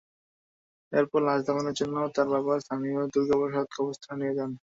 এরপর লাশ দাফনের জন্য তার বাবা স্থানীয় দুর্গাপ্রসাদ কবরস্থানে নিয়ে যান।